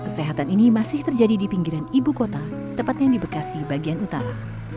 kesehatan ini masih terjadi di pinggiran ibu kota tepatnya di bekasi bagian utara